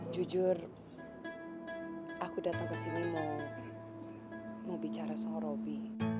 jujur aku datang kesini mau bicara soal robby